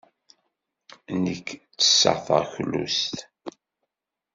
Nekk ttesseɣ taɣlust.